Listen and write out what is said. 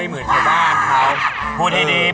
ไม่เหมือนชาวบ้านครับ